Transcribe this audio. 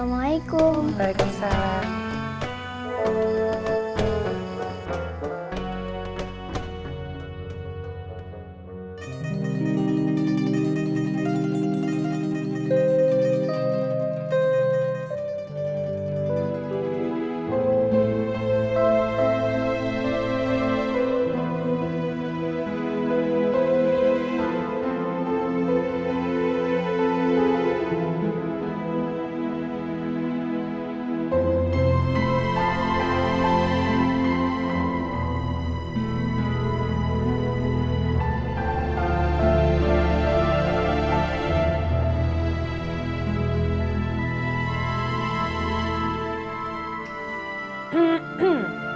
ini surat dari musa untuk afrianti